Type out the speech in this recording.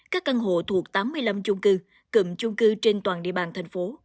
các căn hộ thuộc tám mươi năm chung cư cầm chung cư trên toàn địa bàn thành phố